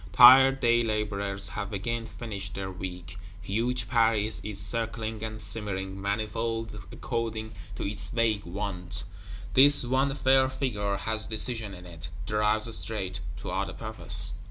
Tired day laborers have again finished their Week; huge Paris is circling and simmering, manifold according to its vague wont; this one fair Figure has decision in it; drives straight, toward a purpose.